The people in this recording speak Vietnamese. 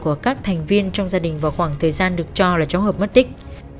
của các thành viên trong gia đình vào khoảng thời gian được cho là cháu hợp mất tích